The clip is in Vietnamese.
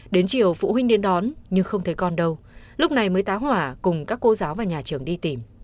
đến chiều phụ huynh đến đón nhưng không thấy con đâu lúc này mới tá hỏa cùng các cô giáo và nhà trường đi tìm